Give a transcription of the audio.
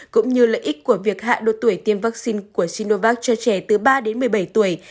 cũng như lợi ích của việc hạ độ tuổi tiêm vaccine của sinovac cho trẻ từ ba đến một mươi bảy tuổi